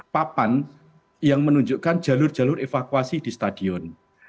papan yang menunjukkan jalur jalur evakuasi di stadion